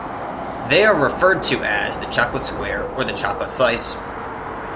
They are referred to as the "chocolate square" or the "chocolate slice".